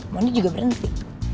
mondi juga berhenti